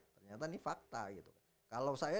ternyata ini fakta gitu kalau saya